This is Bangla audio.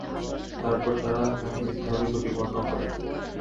তারপর তারা তাকে মিথ্যাবাদী প্রতিপন্ন করে।